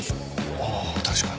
ああ確かに。